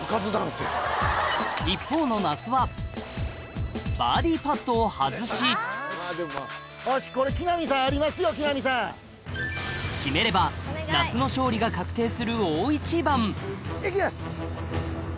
一方の那須はバーディーパットを外しよしこれ木南さんありますよ木南さん。が確定する大一番いきます！